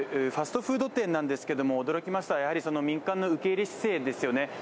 ファストフード店なんですけれども、驚きました、民間の受け入れ姿勢ですよね。